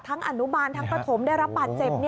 ทั้งอนุบาลทั้งกระถมได้รับปัดเจ็บ